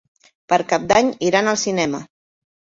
Per Cap d'Any iran al cinema.